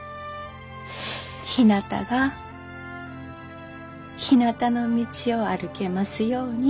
ひなたが「ひなたの道」を歩けますように。